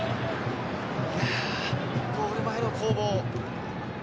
ゴール前の攻防。